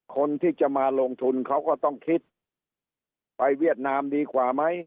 คนที่จะมาลงทุนเขาก็ต้องคิดไปเวียดนามดีกว่าไหม